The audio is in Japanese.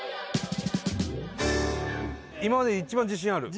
今までで一番自信ある？